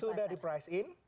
sudah di price in